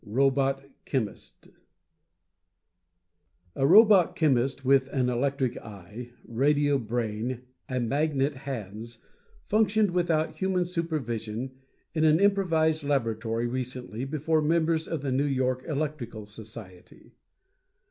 ROBOT CHEMIST A robot chemist with an electric eye, radio brain and magnet hands functioned without human supervision in an improvised laboratory recently before members of the New York Electrical Society.